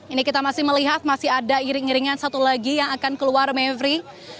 ini kita masih melihat masih ada iring iringan satu lagi yang akan keluar mevri